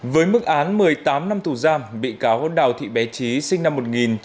với mức án một mươi tám năm thù giam bị cáo hôn đào thị bé trí sinh năm một nghìn chín trăm tám mươi bốn